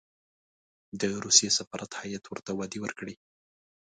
د روسیې سفارت هېئت ورته وعدې ورکړې.